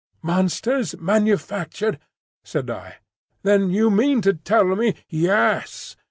"Monsters manufactured!" said I. "Then you mean to tell me—" "Yes.